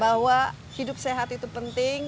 bahwa hidup sehat itu penting